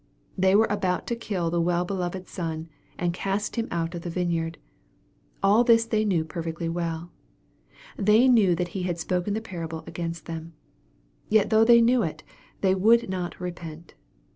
They were about to kill the well beloved Son, and " cast Him out of the vineyard." All this they knew perfectly well. " They knew that He had spoken the parable against them." Yet though they knew it, they would not repent.